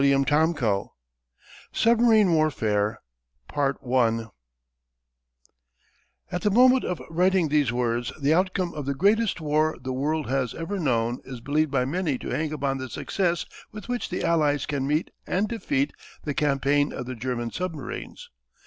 CHAPTER XVI SUBMARINE WARFARE At the moment of writing these words the outcome of the greatest war the world has ever known is believed by many to hang upon the success with which the Allies can meet and defeat the campaign of the German submarines.